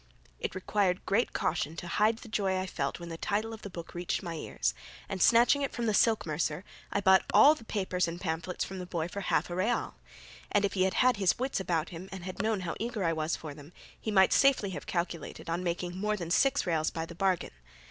It required great caution to hide the joy I felt when the title of the book reached my ears, and snatching it from the silk mercer, I bought all the papers and pamphlets from the boy for half a real; and if he had had his wits about him and had known how eager I was for them, he might have safely calculated on making more than six reals by the bargain.